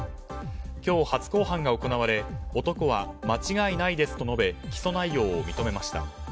今日、初公判が行われ、男は間違いないですと述べ起訴内容を認めました。